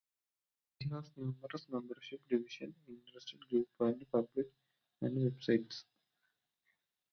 It has numerous membership divisions, interest groups, publications and websites.